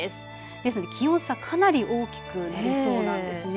ですので気温差かなり大きくなりそうなんですね。